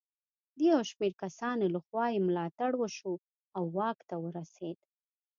د یو شمېر کسانو له خوا یې ملاتړ وشو او واک ته ورسېد.